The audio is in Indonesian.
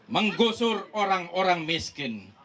menggusur orang orang miskin